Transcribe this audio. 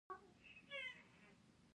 لمونځ او روژې د احکامو پوښتنه وکړي.